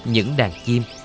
những đàn chim